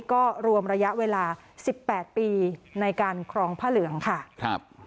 ก็รวมระยะเวลาสิบแปดปีในการครองผ้าเหลืองค่ะครับ